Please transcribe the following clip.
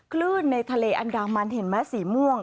คลื่นในทะเลอันดามันเห็นไหมสีม่วง